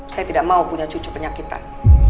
saya tidak mau punya cucu penyakitan